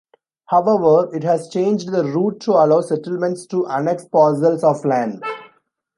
However, it has changed the route to allow settlements to annex parcels of land.